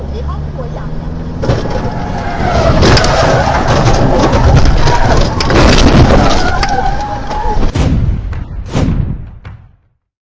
ถ้าอยู่ในครอบครัวใหญ่อย่างนี้